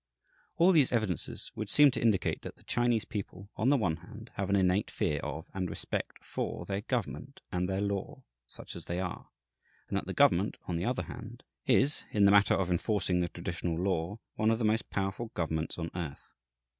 All these evidences would seem to indicate that the Chinese people, on the one hand, have an innate fear of and respect for their government and their law, such as they are; and that the government, on the other hand, is, in the matter of enforcing the traditional law, one of the most powerful governments on earth.